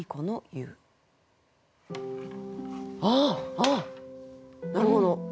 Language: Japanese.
あなるほど。